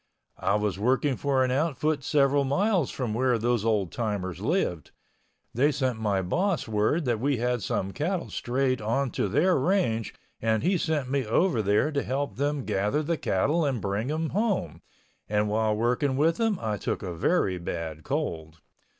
I was working for an outfit several miles from where those old timers lived. They sent my boss word that we had some cattle strayed on to their range and he sent me over there to help them gather the cattle and bring them home, and while working with them I took a very bad cold.